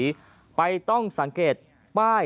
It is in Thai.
จำนวนนักท่องเที่ยวที่เดินทางมาพักผ่อนเพิ่มขึ้นในปีนี้